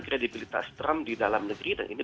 kredibilitas trump di dalam negeri dan ini